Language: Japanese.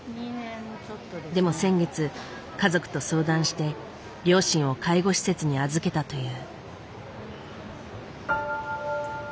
でも先月家族と相談して両親を介護施設に預けたという。